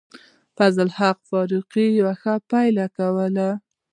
فضل الحق فاروقي ښه پیل کوي.